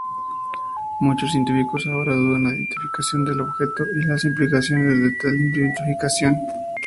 Muchos científicos ahora dudan la identificación del objeto y las implicaciones de tal identificación.